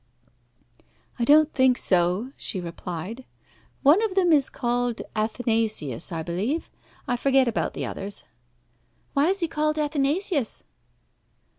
"I don't think so," she replied. "One of them is called Athanasius, I believe. I forget about the others." "Why is he called Athanasius?"